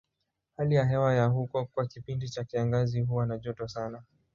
Hali ya hewa ya huko kwa kipindi cha kiangazi huwa na joto sana.